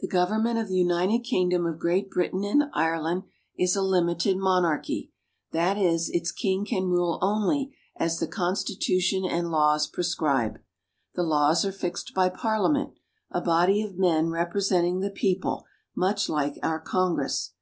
The government of the United Kingdom of Great Britain and Ireland is a limited monarchy ; that is, its king can rule only as the constitution and laws prescribe. The laws are fixed by Parliament, a body of men representing the people, much like our Congress.